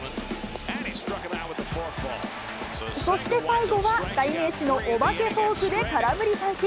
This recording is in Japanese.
そして最後は、代名詞のお化けフォークで空振り三振。